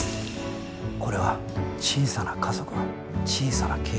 これは小さな家族の小さなケースです。